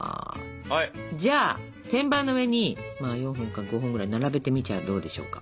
じゃあ天板の上に４本か５本ぐらい並べてみちゃあどうでしょうか。